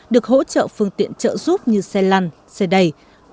được hỗ trợ phương tiện trợ giúp như xe lăn xe đầy